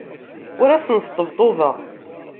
Ur asen-sṭebṭubeɣ.